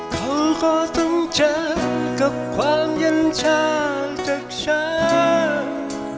คงก็ต้องเจอกับความเย็นชาจากฉัน